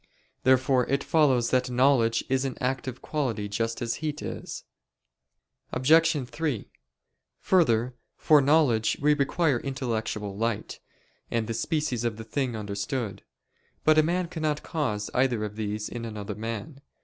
Therefore it follows that knowledge is an active quality just as heat is. Obj. 3: Further, for knowledge we require intellectual light, and the species of the thing understood. But a man cannot cause either of these in another man.